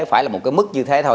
phải là một cái mức như thế thôi